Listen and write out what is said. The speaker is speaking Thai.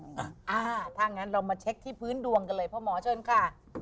ถ้างั้นเรามาเช็คที่พื้นดวงกันเลยพ่อหมอเชิญค่ะ